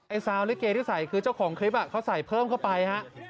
ซาวลิเกที่ใส่คือเจ้าของคลิปเขาใส่เพิ่มเข้าไปฮะ